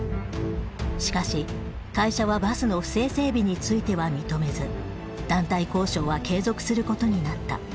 しかし会社はバスの不正整備については認めず団体交渉は継続することになった。